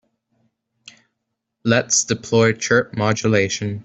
Let's deploy chirp modulation.